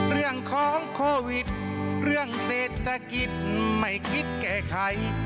เรื่องของโควิดเรื่องเศรษฐกิจไม่คิดแก้ไข